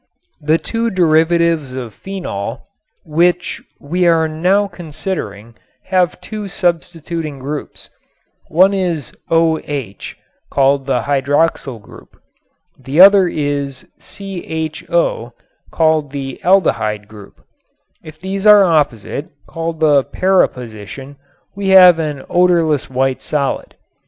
The two derivatives of phenol, which we are now considering, have two substituting groups. One is O H (called the hydroxyl group). The other is CHO (called the aldehyde group). If these are opposite (called the para position) we have an odorless white solid.